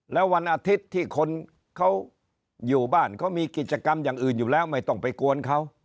แล้ววันอาทิตย์ที่คนเขาอยู่บ้านเขามีกิจกรรมอย่างอื่นอยู่แล้วไม่ต้องไปกวนเขา